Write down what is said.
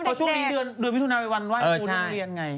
เพราะช่วงนี้เดือนพี่ทุนาวิวันว่ายกูในโรงเรียนไง